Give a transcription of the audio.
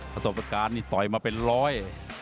ประสบการณ์นี่ต่อยมาเป็นร้อย